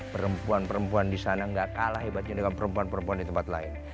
perempuan perempuan di sana nggak kalah hebatnya dengan perempuan perempuan di tempat lain